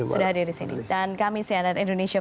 sudah hadir disini dan kami cnn indonesia